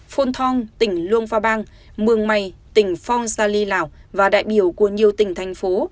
phôn thong tỉnh luông pha bang mường mày tỉnh phong sa ly lào và đại biểu của nhiều tỉnh thành phố